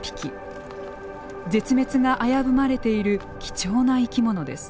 絶滅が危ぶまれている貴重な生き物です。